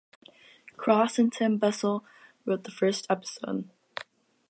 Cross and Tom Bissell wrote the first episode.